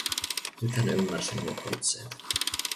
Nyt hän ymmärsi nuo katseet.